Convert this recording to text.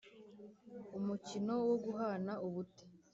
umukino wo guhana ubute,